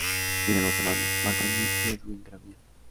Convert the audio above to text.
Tiene dos hermanos: Marco Antonio y Edwin Gabriel.